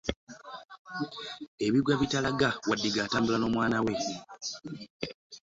Ebigwa bitaraga waddiga atambula n'omwana we .